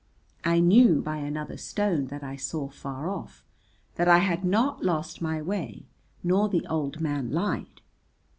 I knew by another stone that I saw far off that I had not lost my way, nor the old man lied.